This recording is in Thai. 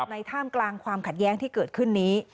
ท่ามกลางความขัดแย้งที่เกิดขึ้นนี้